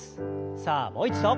さあもう一度。